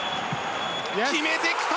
決めてきた！